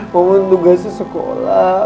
mumun tugasnya sekolah